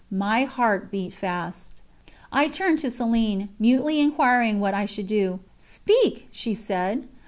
My heart beat fast. I turned to Céline, mutely inquiring what I should do. "Speak!" she said.